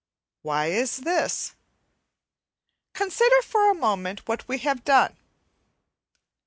Why is this? Consider for a moment what we have done.